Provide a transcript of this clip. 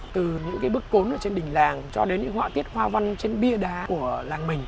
từ những cái bức cốm ở trên đình làng cho đến những họa tiết hoa văn trên bia đá của làng mình